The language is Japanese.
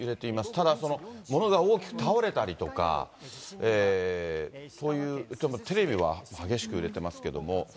ただ、ものが大きく倒れたりとか、そういう、テレビは激しく揺れてますけれども。